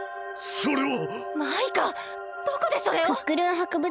それは！